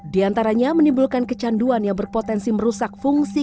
di antaranya menimbulkan kecanduan yang berpotensi merusak fungsi